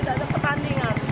tidak ada pertandingan